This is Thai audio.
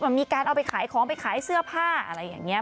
มีการเอาไปขายของไปขายเสื้อผ้าอะไรอย่างนี้